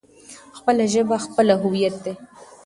خپله ژبه خپله هويت دی.